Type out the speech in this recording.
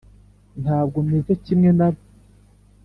ntabwo meze kimwe na bo